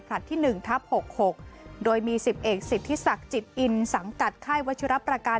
ผลัดที่หนึ่งทัพหกหกโดยมีสิบเอกสิทธิศักดิ์จิตอินสังกัดค่ายวจรับประการ